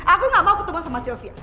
aku gak mau ketemu sama sylvia